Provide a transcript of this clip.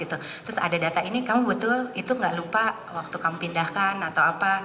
terus ada data ini kamu betul itu gak lupa waktu kamu pindahkan atau apa